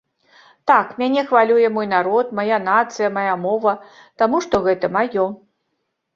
Так, мяне хвалюе мой народ, мая нацыя, мая мова, таму што гэта маё.